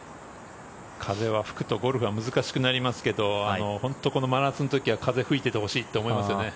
風が吹くとゴルフは難しくなりますけど本当にこの真夏の時は風が吹いていてほしいって思いますよね。